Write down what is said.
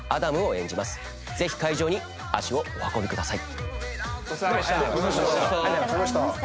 ぜひ会場に足をお運びください。